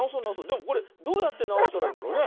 でもこれどうやってなおしたらいいんだろうね？